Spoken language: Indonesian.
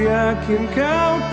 yang kehilangan istrinya gara gara riki